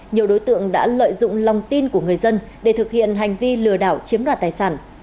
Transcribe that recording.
nhiều đối tượng đã lợi dụng lòng tin của người dân để thực hiện hành vi lừa đảo chiếm đoạt tài sản